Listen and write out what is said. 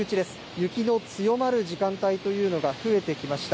雪の強まる時間帯というのが増えてきました。